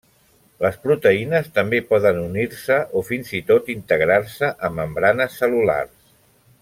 Les proteïnes també poden unir-se, o fins i tot integrar-se, a membranes cel·lulars.